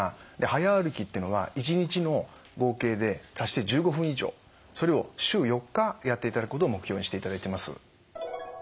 早歩きっていうのは１日の合計で足して１５分以上それを週４日やっていただくことを目標にしていただいてます。